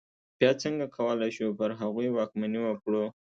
بیا څنګه کولای شو پر هغوی واکمني وکړو.